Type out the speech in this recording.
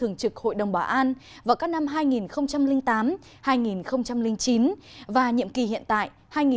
hội đồng bảo an vào các năm hai nghìn tám hai nghìn chín và nhiệm kỳ hiện tại hai nghìn hai mươi hai nghìn hai mươi một